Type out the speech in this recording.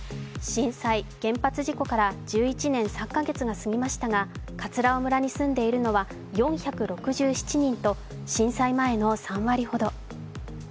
震災、原発事故から１１年３カ月が過ぎましたが葛尾村に住んでいるのは４６７人と震災前の３割ほど。